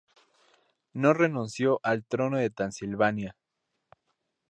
No renunció al trono de Transilvania.